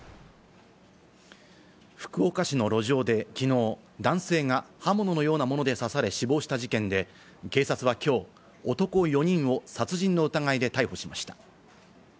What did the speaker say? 福岡市の路上で、きのう、男性が刃物のようなもので刺され死亡した事件で、警察はきょう、男４人を殺人の疑いで逮捕しました。